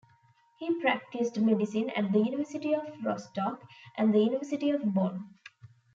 He practiced medicine at the University of Rostock and the University of Bonn.